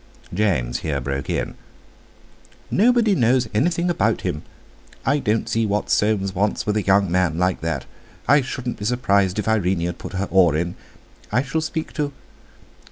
James here broke in: "Nobody knows anything about him. I don't see what Soames wants with a young man like that. I shouldn't be surprised if Irene had put her oar in. I shall speak to...."